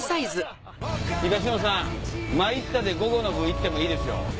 東野さん「参った！」で午後の部行ってもいいですよ？